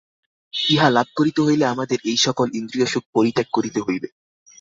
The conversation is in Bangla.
ইহা লাভ করিতে হইলে আমাদের এই-সকল ইন্দ্রিয়সুখ পরিত্যাগ করিতে হইবে।